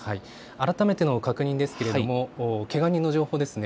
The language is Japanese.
改めての確認ですけれどもけが人の情報ですね。